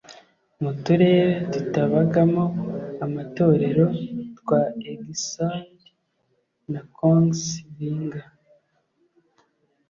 mu turere tutabagamo amatorero twa egersund na kongsvinger